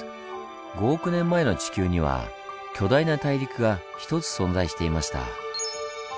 ５億年前の地球には巨大な大陸がひとつ存在していました。